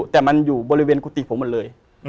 แต่มันอยู่บริเวณกุฏิผมหมดเลย